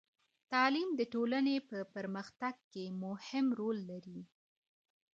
تعلیم د ټولنې په پرمختګ کې مهم رول لري.